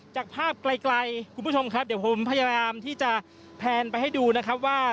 จากภาพไกลคุณผู้ชมครับเดี๋ยวผมพยายามที่จะแพลนไปให้ดูนะครับว่า